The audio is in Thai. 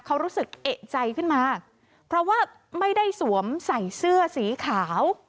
เขารู้สึกเอกใจขึ้นมาเพราะว่าไม่ได้สวมใส่เสื้อสีขาว